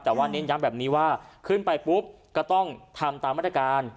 แต่ว่าเน้นย้ำแบบนี้ว่าขึ้นไปปุ๊บก็ต้องทำตามมาตรการ